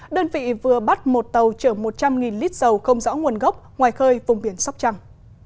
đơn vị vừa bắt một tàu chở một trăm linh lít dầu không rõ nguồn gốc ngoài khơi vùng biển sóc trăng